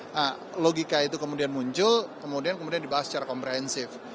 nah logika itu kemudian muncul kemudian dibahas secara komprehensif